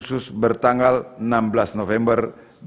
khusus bertanggal enam belas november dua ribu dua